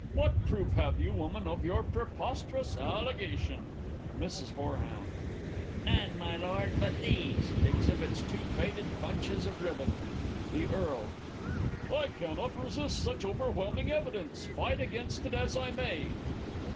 What proof have you, woman, of your preposterous allegation? Mrs. H. None, my lord, but these [Exhibits two faded bunches of ribbon. The E. I cannot resist such overwhelming evidence, fight against it as I may.